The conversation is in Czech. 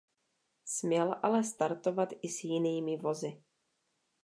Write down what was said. Směl ale startovat i s jinými vozy.